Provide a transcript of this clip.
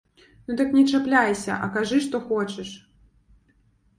Ну так не чапляйся, а кажы, што хочаш?